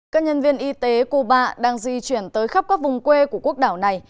các nhân viên y tế cuba đang di chuyển tới khắp các vùng quê của quốc đảo này